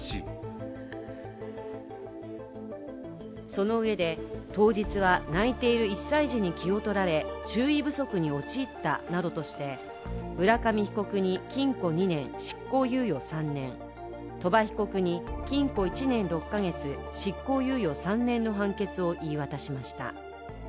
そのうえで、当日は泣いている１歳児に気を取られ注意不足に陥ったなどとして浦上被告に禁錮２年、執行猶予３年、鳥羽被告に禁錮１年６か月執行猶予３年の判決を言い渡しました。